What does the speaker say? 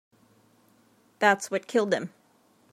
That's what killed him.